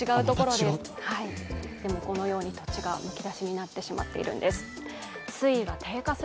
でもこのように土地がむき出しになっているんです。